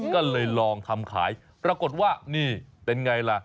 ก็เลยลองทำขายปรากฏว่านี่เป็นไงล่ะ